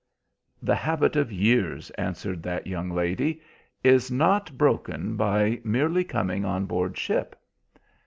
"The habit of years," answered that young lady, "is not broken by merely coming on board ship."